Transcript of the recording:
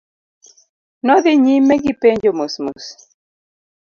Nodhi nyime gipenjo mos mos.